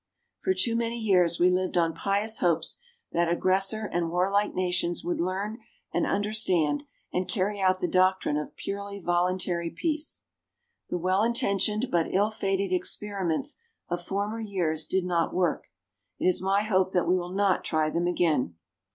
For too many years we lived on pious hopes that aggressor and warlike nations would learn and understand and carry out the doctrine of purely voluntary peace. The well intentioned but ill fated experiments of former years did not work. It is my hope that we will not try them again.